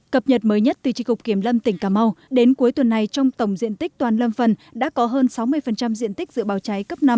cập nhật mới nhất từ trị cục kiểm lâm tỉnh cà mau đến cuối tuần này trong tổng diện tích toàn lâm phần đã có hơn sáu mươi diện tích dự báo cháy cấp năm